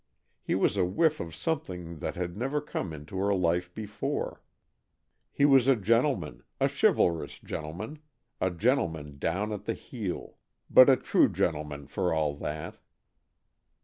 He was a whiff of something that had never come into her life before; he was a gentleman, a chivalrous gentleman, a gentleman down at the heel, but a true gentleman for all that.